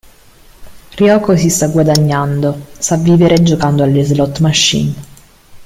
Ryoko si sta guadagnando sa vivere giocando alle slot machine.